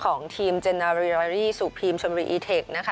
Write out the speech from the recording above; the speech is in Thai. ของทีมเจนาเรียรี่สุพรีมชนบริอีเทค